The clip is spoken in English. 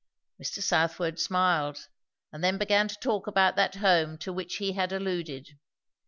Mr. Southwode smiled, and then began to talk about that home to which he had alluded.